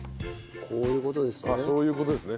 こういう事ですね？